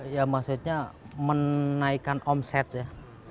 ya maksudnya menaikkan omset ya